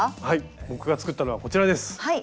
僕が作ったのはこちらです。